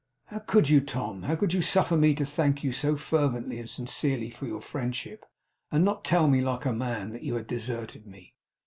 'How could you, Tom, how could you suffer me to thank you so fervently and sincerely for your friendship; and not tell me, like a man, that you had deserted me!